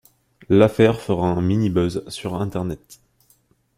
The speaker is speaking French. L'affaire fera un mini buzz sur internet.